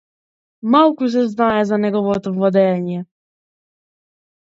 Малку се знае за неговото владеење.